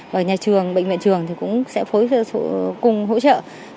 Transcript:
và nhà trường bệnh viện trường thì cũng sẽ phối hợp cùng hỗ trợ